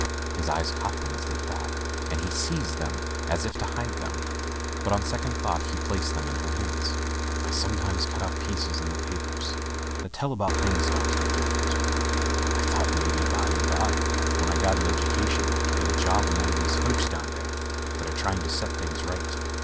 His eye caught them as they fell, and he seized them as if to hide them, but on second thought placed them in her hands. "I sometimes cut out the pieces in the papers that tell about things that ought to be different. I thought maybe by and by when I got an education I could get a job among those fellows down there that are try ing to set things right."